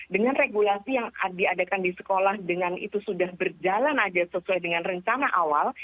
dengan regulasi yang diadakan di sekolah dengan itu sudah berjalan aja sesuai dengan rencana awal